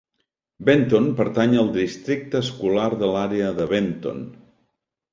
Benton pertany al districte escolar de l'àrea de Benton.